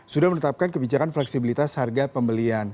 sudah menetapkan kebijakan fleksibilitas harga pembelian